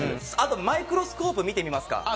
あとマイクロスコープ見てみますか。